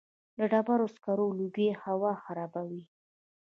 د ډبرو سکرو لوګی هوا خرابوي؟